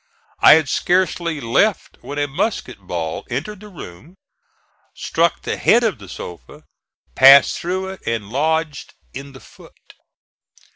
I had scarcely left when a musket ball entered the room, struck the head of the sofa, passed through it and lodged in the foot.